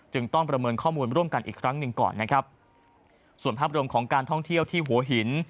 ต้องประเมินข้อมูลร่วมกันอีกครั้งหนึ่งก่อนนะครับส่วนภาพรวมของการท่องเที่ยวที่หัวหิน